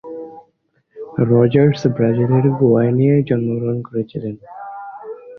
Rogers ব্রাজিলের গোইনিয়ায় জন্মগ্রহণ করেছিলেন।